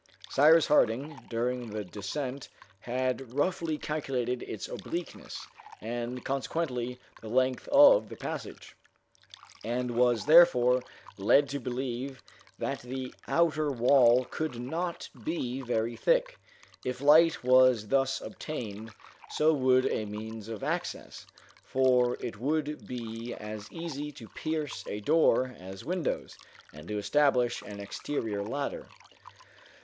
Cyrus Harding, during the descent, had roughly calculated its obliqueness, and consequently the length of the passage, and was therefore led to believe that the outer wall could not be very thick. If light was thus obtained, so would a means of access, for it would be as easy to pierce a door as windows, and to establish an exterior ladder.